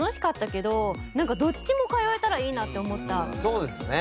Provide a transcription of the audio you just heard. そうですね。